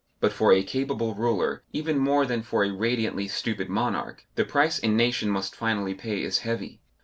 But for a capable ruler, even more than for a radiantly stupid monarch, the price a nation must finally pay is heavy.